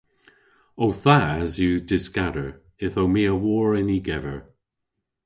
Ow thas yw dyskador. Ytho my a wor yn y gever.